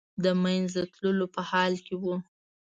د منځه تللو په حال کې و.